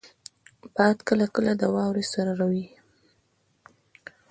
باد کله کله د واورې سره وي